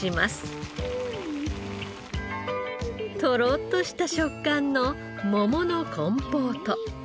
トロッとした食感の桃のコンポート。